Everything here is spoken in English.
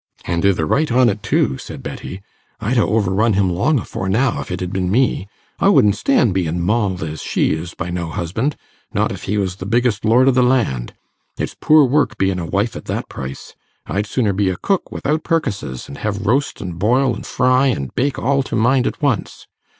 'An' i' the right on't, too,' said Betty. 'I'd ha' overrun him long afore now, if it had been me. I wouldn't stan' bein' mauled as she is by no husband, not if he was the biggest lord i' the land. It's poor work bein' a wife at that price: I'd sooner be a cook wi'out perkises, an' hev roast, an' boil, an' fry, an' bake, all to mind at once.